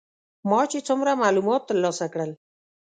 ما چې څومره معلومات تر لاسه کړل.